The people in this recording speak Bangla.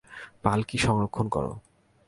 পালকি সংরক্ষণ করো।